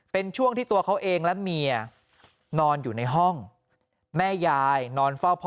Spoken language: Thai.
เป็นช่วงที่ตัวเขาเองและเมียนอนอยู่ในห้องแม่ยายนอนเฝ้าพ่อ